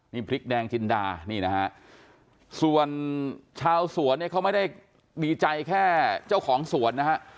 นี่พริกแดงจินดานี่นะฮะส่วนชาวสวนเนี่ยเขาไม่ได้ดีใจแค่เจ้าของสวนนะฮะ